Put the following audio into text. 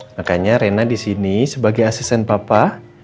makanya rena disini sebagai asisten papa